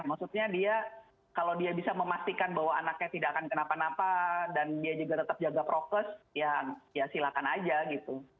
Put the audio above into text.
maksudnya dia kalau dia bisa memastikan bahwa anaknya tidak akan kenapa napa dan dia juga tetap jaga prokes ya silakan aja gitu